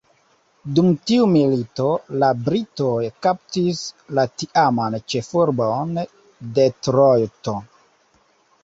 Dum tiu milito, la Britoj kaptis la tiaman ĉefurbon, Detrojto.